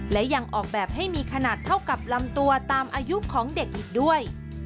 และยังออกแบบให้มีขนาดเท่ากับลำตัวตามอายุของเด็กอีกด้วย